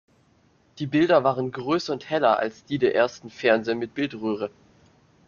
Die Bilder waren größer und heller als die der ersten Fernseher mit Bildröhre.